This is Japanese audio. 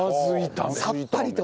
さっぱりと。